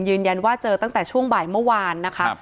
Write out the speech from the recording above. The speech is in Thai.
ยืนยันว่าเจอตั้งแต่ช่วงบ่ายเมื่อวานนะคะ